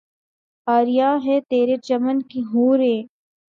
عریاں ہیں ترے چمن کی حوریں